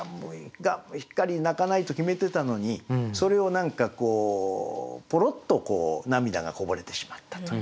しっかり泣かないと決めてたのにそれを何かこうポロッと涙がこぼれてしまったと。